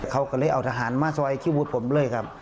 เขาก็เลยเอาทหารมาซอยคิวบูธผมเลยครับ